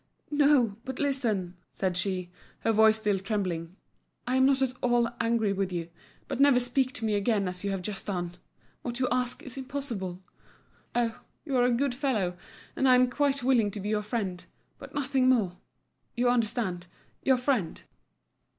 "No, but listen," said she, her voice still trembling; "I am not at all angry with you. But never speak to me again as you have just done. What you ask is impossible. Oh! you're a good fellow, and I'm quite willing to be your friend, but nothing more. You understand—your friend."